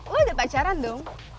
lu udah pacaran dong